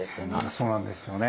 そうなんですよね。